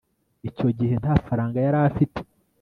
icyo gihe nta faranga yari afite